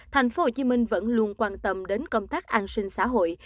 thành phố hồ chí minh vẫn luôn quan tâm đến công tác an sinh xã hội